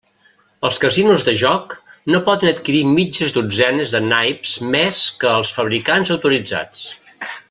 Els casinos de joc no poden adquirir mitges dotzenes de naips més que als fabricants autoritzats.